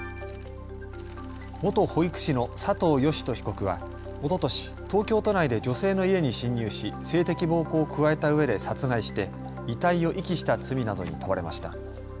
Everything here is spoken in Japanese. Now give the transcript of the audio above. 元保育士の佐藤喜人被告はおととし東京都内で女性の家に侵入し性的暴行を加えたうえで殺害して遺体を遺棄した罪などに問われました。